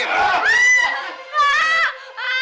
eh kike ini jadi tahanan